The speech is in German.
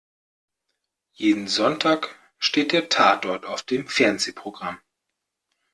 Jeden Sonntag steht der Tatort auf dem Fernsehprogramm.